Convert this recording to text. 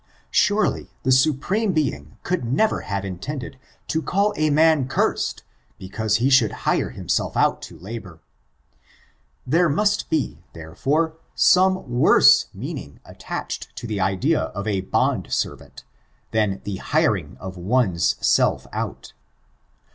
Surely, the Supreme Being could never have intended to call a man cursed because he should hire himself out to labor : there must be, therefore, some worse meaning attached to the idea of a band servant, than the liiring of one's self out.